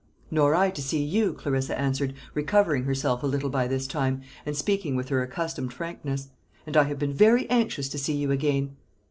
"Nor I to see you," Clarissa answered, recovering herself a little by this time, and speaking with her accustomed frankness. "And I have been very anxious to see you again."